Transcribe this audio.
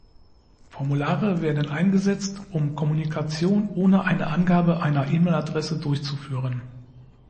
Formulare werden eingesetzt, um Kommunikation ohne eine Angabe einer E-Mail-Adresse durchzuführen.